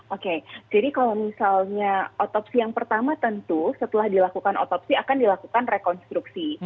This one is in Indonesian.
oke jadi kalau misalnya otopsi yang pertama tentu setelah dilakukan otopsi akan dilakukan rekonstruksi